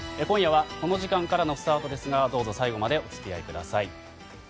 今夜はこの時間からのスタートですがどうぞ最後までお付き合いください。